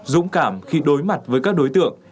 dũng cảm khi đối mặt với các đối tượng